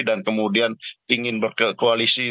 dan kemudian ingin berkoalisi